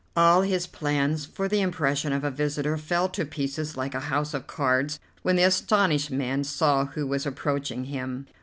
All his plans for the impression of a visitor fell to pieces like a house of cards when the astonished man saw who was approaching him.